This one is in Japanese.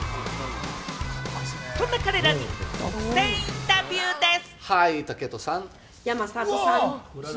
そんな彼らに独占インタビューです。